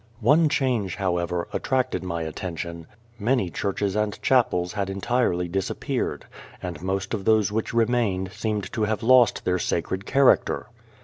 One change, however, attracted my attention many churches and chapels had entirely disappeared, and most of those which remained seemed to have lost their sacred character.